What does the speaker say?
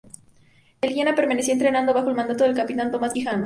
El "Hiena" permanecía entretanto bajo el mando del capitán Tomás Quijano.